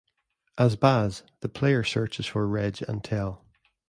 As Baz, the player searches for Reg and Tel.